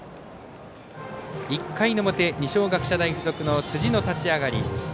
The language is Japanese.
１回の表、二松学舎大付属の辻の立ち上がり。